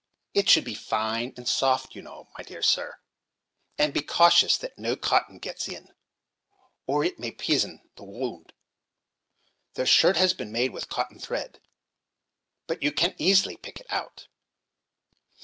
It should be fine and soft, you know, my dear sir; and be cautious that no cotton gets in, or it may p'izen the wound. The shirt has been made with cotton thread, but you can easily pick it out."